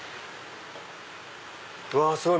うわすごい！